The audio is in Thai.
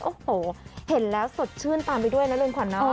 โอ้โหเห็นแล้วสดชื่นตามไปด้วยนะเรือนขวัญเนาะ